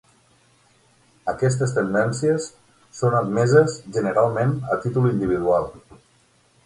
Aquestes tendències són admeses generalment a títol individual.